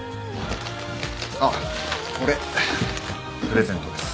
あっこれプレゼントです。